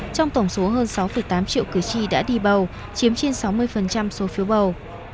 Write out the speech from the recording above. trong tổng số hơn sáu tám triệu cử tri đã đi bầu chiếm trên sáu mươi số phiếu bầu